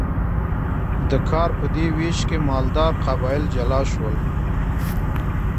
د کار په دې ویش کې مالدار قبایل جلا شول.